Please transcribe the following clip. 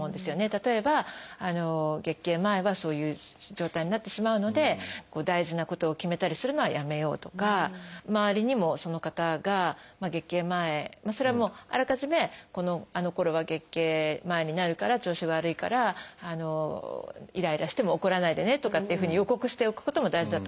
例えば月経前はそういう状態になってしまうので大事なことを決めたりするのはやめようとか周りにもその方が月経前それはもうあらかじめあのころは月経前になるから調子が悪いからイライラしても怒らないでねとかっていうふうに予告しておくことも大事だと思いますし。